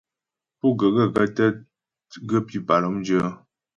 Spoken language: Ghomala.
Pú ghə̀ gaə̂kə́ tə ghə́ pípà lɔ́mdyə́ ?